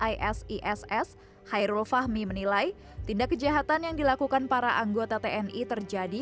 isiss hairul fahmi menilai tindak kejahatan yang dilakukan para anggota tni terjadi